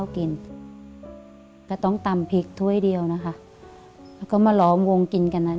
ก็ต้องตำพริกถ้วยเดียวนะคะแล้วก็มาล้อมวงกินกันนั้น